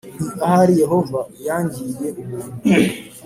nti ahari Yehova yangirira ubuntu